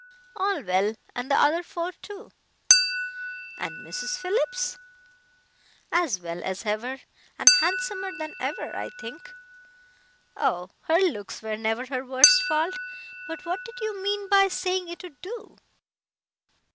"All well, and the other four, too." "And Mrs. Phillips?" "As well as ever, and handsomer than ever, I think." "Oh! her looks were never her worst fault. But what did you mean by saying it would do?"